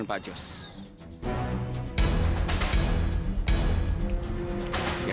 niphalt lagi goku sagabah